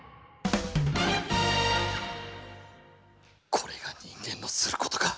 これが人間のすることか。